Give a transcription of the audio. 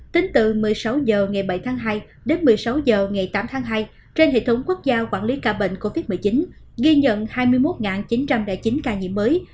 tính từ một mươi sáu h ngày bảy tháng hai đến một mươi sáu h ngày tám tháng hai trên hệ thống quốc gia quản lý ca bệnh covid một mươi chín ghi nhận hai mươi một chín trăm linh chín ca nhiễm mới